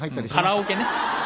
カラオケね。